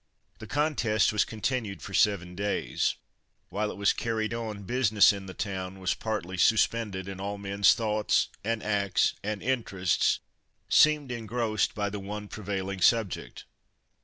The contest was continued for seven days. While it was carried on business in the town was partly suspended, and all men's thoughts, and acts, and interests, seemed engrossed by the one prevailing subject.